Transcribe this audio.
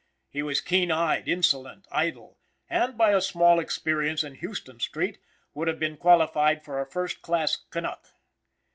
He was keen eyed, insolent, idle, and, by a small experience in Houston street, would have been qualified for a first class "knuck."